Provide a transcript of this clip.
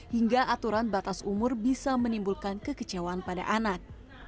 hingga aturan batas umur bisa menimbulkan kekecewaan pada anak